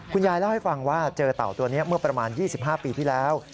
เล่าให้ฟังว่าเจอเต่าตัวนี้เมื่อประมาณ๒๕ปีที่แล้ว